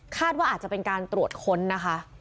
ว่าอาจจะเป็นการตรวจค้นนะคะ